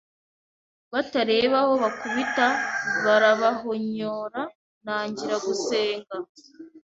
batareba aho bakubita barabahonyora ntangira gusenga